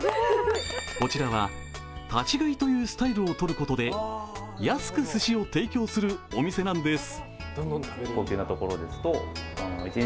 こちらは、立ち食いというスタイルをとることで安くすしを提供するお店なんです。